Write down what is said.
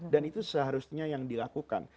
dan itu seharusnya yang dilakukan